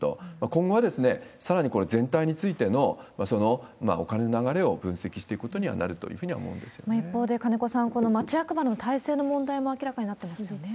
今後は、さらにこれ、全体についてのお金の流れを分析していくことにはなるというふう一方で、金子さん、町役場の体制の問題も明らかになってますよね。